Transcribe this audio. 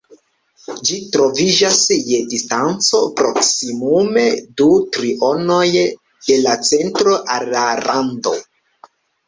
Ĝi troviĝas je distanco proksimume du trionoj de la centro al la rando.